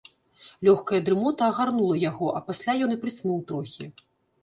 Лёгкая дрымота агарнула яго, а пасля ён і прыснуў трохі.